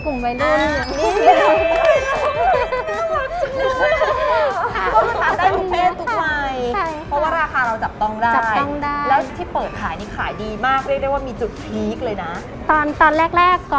กลุ่มแม่แบบนี้ไม่มากินเลยหรอครับ